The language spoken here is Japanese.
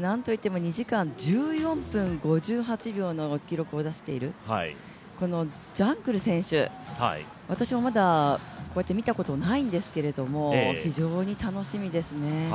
なんといっても２時間１４分５８秒の記録を出している、選手、私もまだ見たことないんですけども非常に楽しみですね。